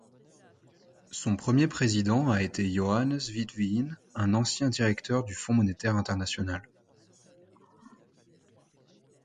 Son premier président a été Johannes Witteveen, un ancien directeur du Fonds monétaire international.